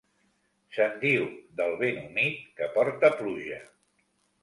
Se'n diu del vent humit que porta pluja.